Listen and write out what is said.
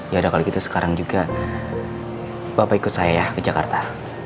yaudah kalau gitu sekarang juga bapak ikut saya ya ke jakarta